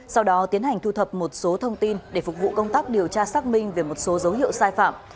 sau đó tiến hành thu thập một số thông tin để phục vụ công tác điều tra xác minh về một số dấu hiệu sai phạm